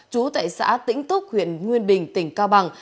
trú tại xã tĩnh túc huyện nguyên bình tỉnh cao bằng